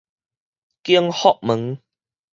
景福門